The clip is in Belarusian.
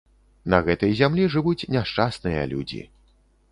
На гэтай зямлі жывуць няшчасныя людзі.